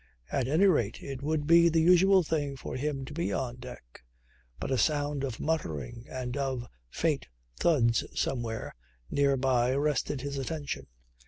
At any rate it would be the usual thing for him to be on deck. But a sound of muttering and of faint thuds somewhere near by arrested his attention.